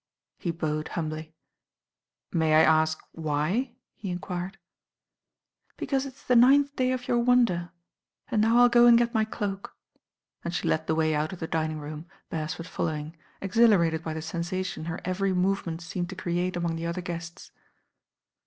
He bowed humbly. "May I ask why?" he en quired. "Because it's the ninth day of your wonder, and now I'll go and get my cloak," and she led the way out of the dining room, Beresford following, ex ' hilarated by the sensation her every movement seemed to create among the other guests.